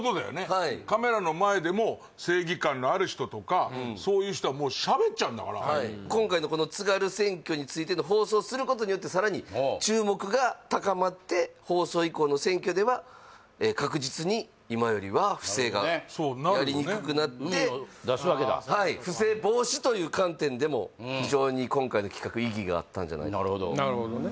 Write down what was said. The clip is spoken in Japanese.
はいカメラの前でも正義感のある人とかそういう人はもうしゃべっちゃうんだから今回のこの津軽選挙についての放送をすることによってさらに注目が高まって放送以降の選挙では確実に今よりは不正がなるほどねやりにくくなってうみを出すわけだ非常に今回の企画意義があったんじゃないかとなるほどね